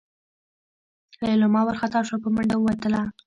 لېلما وارخطا شوه په منډه ووتله.